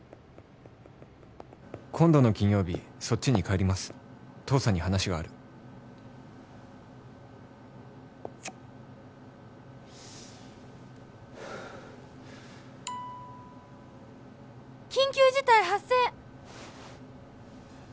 「今度の金曜日そっちに帰ります父さんに話がある」はあ「緊急事態発生！」